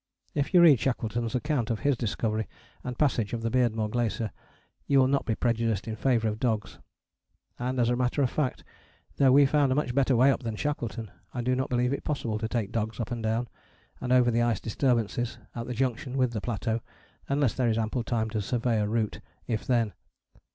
If you read Shackleton's account of his discovery and passage of the Beardmore Glacier you will not be prejudiced in favour of dogs: and as a matter of fact, though we found a much better way up than Shackleton, I do not believe it possible to take dogs up and down, and over the ice disturbances at the junction with the plateau, unless there is ample time to survey a route, if then.